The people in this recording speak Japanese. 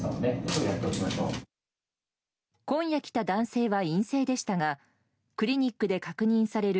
今夜来た男性は陰性でしたがクリニックで確認される